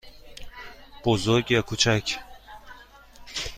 بزرگ یا کوچک؟